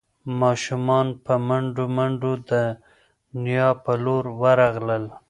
ماشومان په منډو منډو د نیا په لور ورغلل.